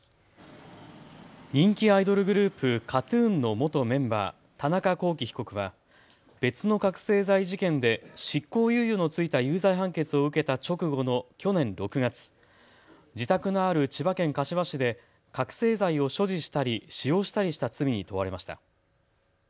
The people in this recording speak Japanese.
人気アイドルグループ、ＫＡＴ−ＴＵＮの元メンバー、田中聖被告は別の覚醒剤事件で執行猶予の付いた有罪判決を受けた直後の去年６月、自宅のある千葉県柏市で覚醒剤を所持したり使用したりした罪に問われました。